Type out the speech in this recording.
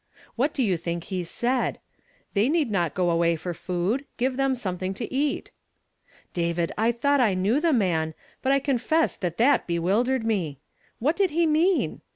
"What do you think he said? 'They need not go away for food; give them something to eat.' David, I thought I knew the man, but I confess tliat that bewildered me. What did he mean?